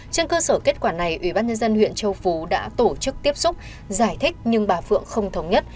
trên cơ sở kết quả này ủy ban nhân dân huyện châu phú đã tổ chức tiếp xúc giải thích nhưng bà phượng không thống nhất